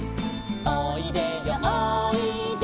「おいでよおいで」